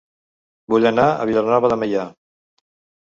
Vull anar a Vilanova de Meià